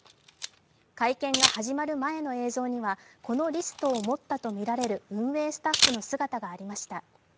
会見が始まる前の映像にはこのリストを持ったとみられる運営スタッフの姿がありました。